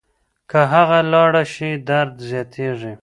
که هغه لاړه شي درد زیاتېږي.